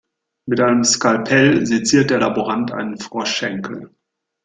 Mit einem Skalpell seziert der Laborant einen Froschschenkel.